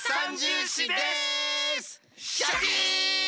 シャキーン！